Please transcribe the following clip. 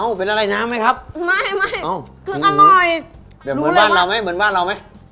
อ้าวเป็นอะไรนะไหมครับไม่ไม่อ้าวคืออร่อยแต่เหมือนบ้านเราไหม